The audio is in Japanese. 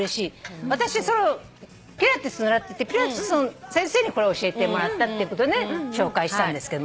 私ピラティス習っててピラティスの先生にこれを教えてもらったってことで紹介したんですけども。